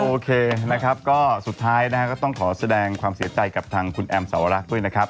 โอเคนะครับก็สุดท้ายนะต้องชอบแสดงความเสียใจกับทางคุณแอมสวรรคด้วย